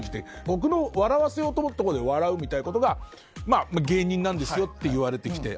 僕の笑わせようと思ったとこで笑うみたいなことが芸人なんですよって言われて来て。